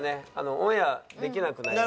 オンエアできなくなりますので。